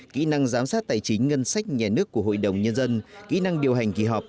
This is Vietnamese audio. kỹ năng giám sát tài chính ngân sách nhà nước của hội đồng nhân dân kỹ năng điều hành kỳ họp